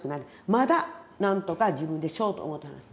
まだなんとか自分でしようと思うてはります。